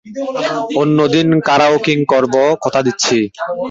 অন্যদিন কারাওকিং করব, কথা দিচ্ছি।